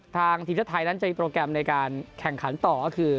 ทีมชาติไทยนั้นจะมีโปรแกรมในการแข่งขันต่อก็คือ